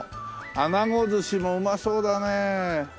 あなご寿司もうまそうだね！